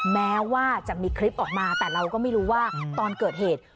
แม้ว่าจะมีคลิปออกมาแต่เราก็ไม่รู้ว่าตอนเกิดเหตุ